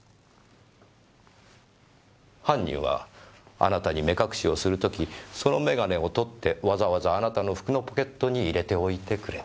犯人はあなたに目隠しをする時そのメガネを取ってわざわざあなたの服のポケットに入れておいてくれた。